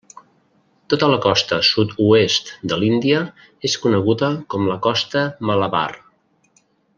Tota la costa sud-oest de l'Índia és coneguda com a Costa Malabar.